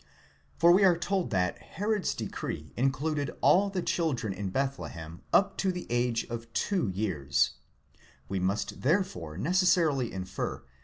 For we are told that Herod's decree included all the children in: Bethlehem up to the age of two years; we must therefore necessarily infer